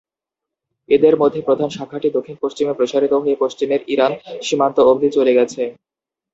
এদের মধ্যে প্রধান শাখাটি দক্ষিণ-পশ্চিমে প্রসারিত হয়ে পশ্চিমের ইরান সীমান্ত অবধি চলে গেছে।